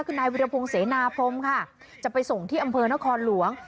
คือนายวิรพงศ์เสนาพรมค่ะจะไปส่งที่อำเภอนครหลวง